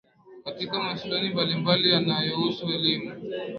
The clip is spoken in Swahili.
katika masuala mbalimbali yanayohusu elimu